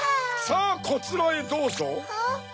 さぁこちらへどうぞ。